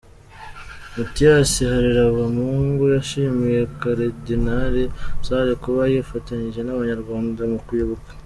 Mathias Harebamungu yashimiye Karidinali Sarr kuba yifatanyije n’Abanyarwanda mu kwibuka.